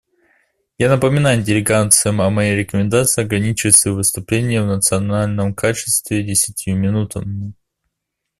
Я напоминаю делегациям о моей рекомендации ограничивать свои выступления в национальном качестве десятью минутами.